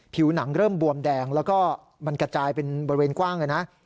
ผิวหนังเริ่มบวมแดงแล้วก็มันกระจายเป็นบริเวณกว้างเลยนะ